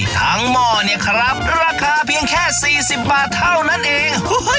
หม้อเนี่ยครับราคาเพียงแค่๔๐บาทเท่านั้นเอง